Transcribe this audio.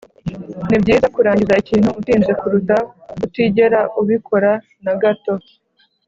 nibyiza kurangiza ikintu utinze kuruta kutigera ubikora na gato